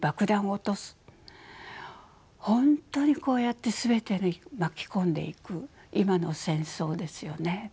本当にこうやって全て巻き込んでいく今の戦争ですよね。